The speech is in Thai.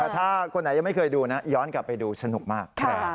แต่ถ้าคนไหนยังไม่เคยดูนะย้อนกลับไปดูสนุกมาก